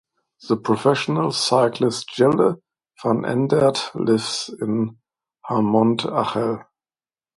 The professional cyclist Jelle Vanendert lives in Hamont-Achel.